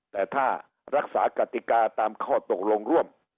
แต่ถ้ารักษากติกาตามข้อตกลงร่วม